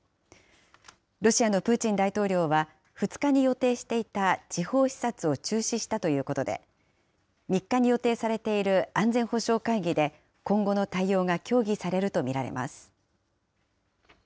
ロシアのプーチン大統領は２日に予定していた地方視察を中止したということで、３日に予定されている安全保障会議で今後の対応が協議されると見られます。